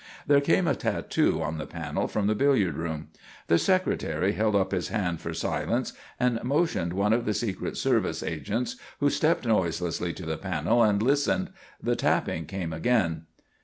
There came a tattoo on the panel from the billiard room. The Secretary held up his hand for silence and motioned one of the secret service agents, who stepped noiselessly to the panel and listened. The tapping came again.